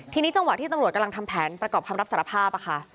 ทีนี้จังหวะที่ตำรวจกำลังทำแผนประกอบคำรับสารภาพค่ะ